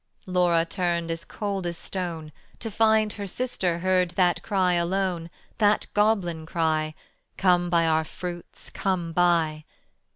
Laura turned cold as stone To find her sister heard that cry alone, That goblin cry, "Come buy our fruits, come buy."